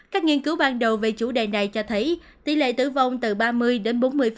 các nghiên cứu ban đầu về chủ đề này cho thấy tỷ lệ tử vong từ ba mươi đến bốn mươi